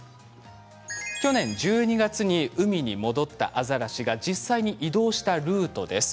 去年１２月に海に戻ったアザラシが実際に移動したルートです。